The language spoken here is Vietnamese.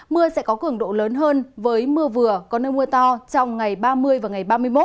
mưa sẽ có cường độ lớn hơn với mưa vừa có nơi mưa to trong ngày ba mươi và ngày ba mươi một